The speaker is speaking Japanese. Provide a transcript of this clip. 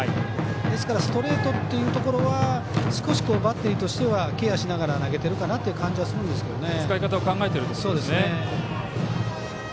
ですからストレートというところは少しバッテリーとしてはケアしながら投げてるかなという感じはするんですけどね。